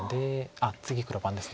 あっ次黒番です。